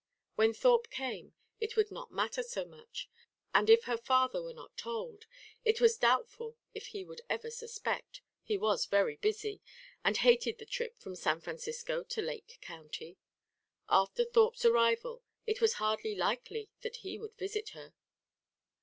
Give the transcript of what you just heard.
When Thorpe came, it would not matter so much. And if her father were not told, it was doubtful if he would ever suspect: he was very busy, and hated the trip from San Francisco to Lake County. After Thorpe's arrival, it was hardly likely that he would visit her.